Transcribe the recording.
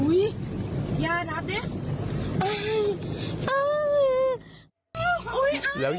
อุ้ยอย่ารับเนี่ย